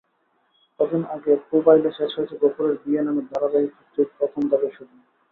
কদিন আগে পুবাইলে শেষ হয়েছে গফুরের বিয়ে নামের ধারাবাহিকটির প্রথম ধাপের শুটিং।